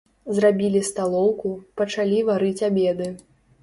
Зрабілі сталоўку, пачалі варыць абеды.